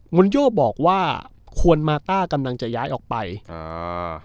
นโยบอกว่าควรมาต้ากำลังจะย้ายออกไปอ่า